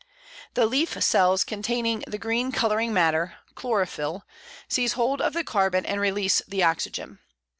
The leaf cells containing the green colouring matter (chlorophyll) seize hold of the carbon and release the oxygen.